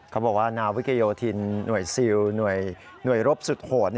เขาบอกว่านาวิกยโยธินหน่วยซิลหน่วยรบสุดโหด